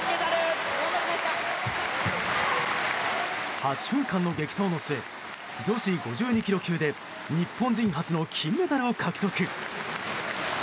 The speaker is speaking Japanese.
８分間の激闘の末女子５２ｋｇ級で日本人初の金メダルを獲得。